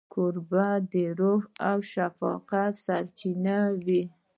کوربه د رحم او شفقت سرچینه وي.